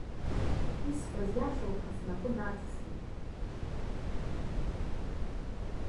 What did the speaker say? Исҳәаз иашоуп ҳәа снапы наҵазҩит.